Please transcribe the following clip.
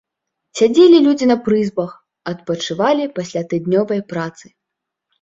Сядзелі людзі на прызбах, адпачывалі пасля тыднёвай працы.